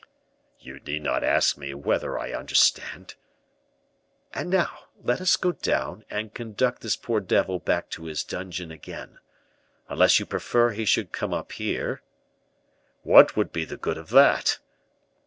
"You need not ask me whether I understand." "And now, let us go down, and conduct this poor devil back to his dungeon again, unless you prefer he should come up here." "What would be the good of that?"